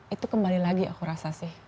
itu kembali lagi aku rasa sih